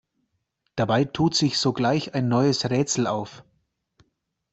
Dabei tut sich sogleich ein neues Rätsel auf.